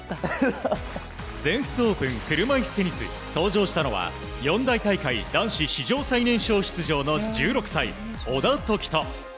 全仏オープン車いすテニス登場したのは四大大会男子史上最多出場の１６歳、小田凱人。